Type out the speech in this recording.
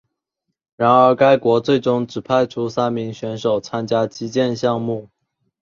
然而该国最终只派出三名选手参加击剑项目。